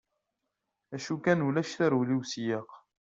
D acu kan ulac tarewla i usiyeq.